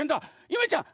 ゆめちゃん